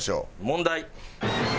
問題。